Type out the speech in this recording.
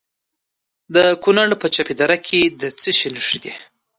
د کونړ په چپه دره کې د څه شي نښې دي؟